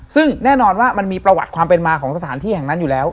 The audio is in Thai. ซึ่งแน่นอนว่ามันมีประวัติความเป็นมาของสถานที่แห่งนั้นอยู่แล้ว